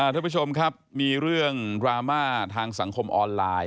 ท่านผู้ชมครับมีเรื่องดราม่าทางสังคมออนไลน์